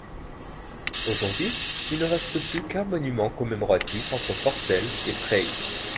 Aujourd'hui, il ne reste plus qu'un monument commémoratif entre Forcelles et Praye.